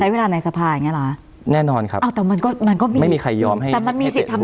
ใช้เวลาในสภาพอย่างนี้เหรอแน่นอนครับไม่มีใครยอมให้เป็นห่วง